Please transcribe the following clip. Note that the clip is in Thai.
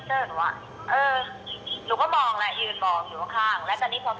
ตอนนั้นหนูยังไม่ขึ้นเป็นแดนเซอร์ขึ้น